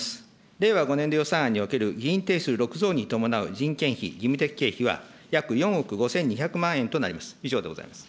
令和５年度予算案における議員定数６増に伴う人件費、事務的経費は約４億５２００万円となります。